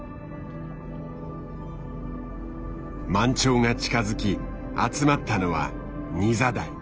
満潮が近づき集まったのはニザダイ。